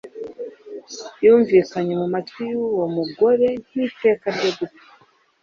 yumvikanye mu matwi y'uwo mugore nk'iteka ryo gupfa.